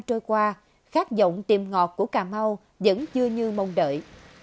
trôi qua khát vọng tiềm ngọt của cà mau vẫn chưa như mong đợi